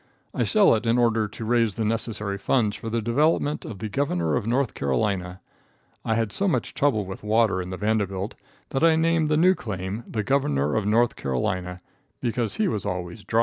I sell it in order to raise the necessary funds for the development of the Governor of North Carolina. I had so much trouble with water in the Vanderbilt, that I named the new claim the Governor of North Carolina, because he was always dry.